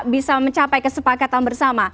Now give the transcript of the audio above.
bisa mencapai kesepakatan bersama